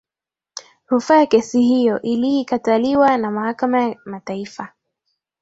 rufaa ya kesi hiyo iliikataliwa na mahakama ya mataifa